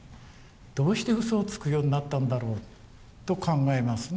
どうしてうそをつくようになったんだろうと考えますね。